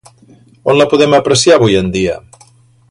On la podem apreciar avui en dia?